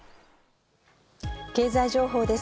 経済情報です。